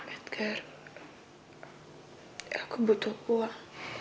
edgar aku butuh uang